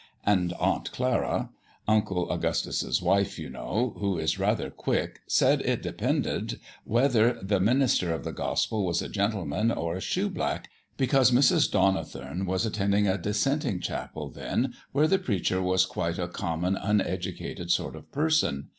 And Aunt Clara, Uncle Augustus's wife, you know, who is rather quick, said it depended whether the minister of the Gospel was a gentleman or a shoe black, because Mrs. Donnithorne was attending a dissenting chapel then where the preacher was quite a common uneducated sort of person.